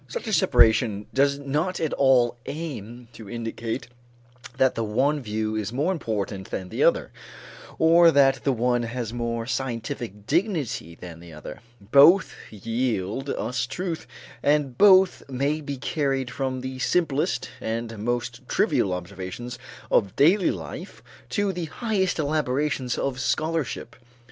Such a separation does not at all aim to indicate that the one view is more important than the other, or that the one has more scientific dignity than the other; both yield us truth, and both may be carried from the simplest and most trivial observations of daily life to the highest elaborations of scholarship.